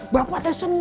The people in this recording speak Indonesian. bapak tuh senang